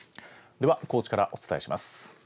では、高知からお伝えします。